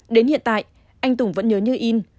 đến hiện tại anh tùng vẫn nhớ như in